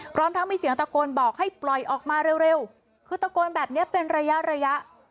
พร้อมทั้งมีเสียงตะโกนบอกให้ปล่อยออกมาเร็วคือตะโกนแบบนี้เป็นระยะระยะ